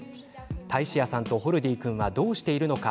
タイシアさんとホルディー君はどうしているのか。